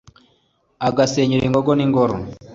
agasenyura ingogo ni ngoro